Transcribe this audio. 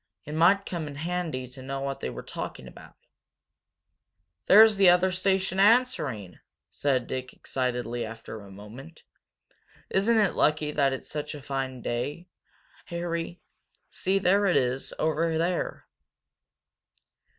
It might come in handy to know what they were talking about." "There's the other station answering!" said Dick, excitedly, after a moment. "Isn't it lucky that it's such a fine day, Harry? See, there it is, over there!"